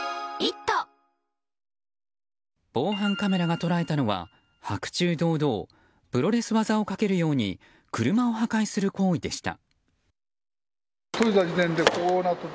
防犯カメラが捉えたのは白昼堂々プロレス技をかけるように車を破壊する行為でした。